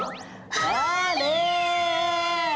あれ！